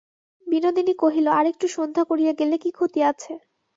বিনোদিনী কহিল, আর-একটু সন্ধ্যা করিয়া গেলে কি ক্ষতি আছে।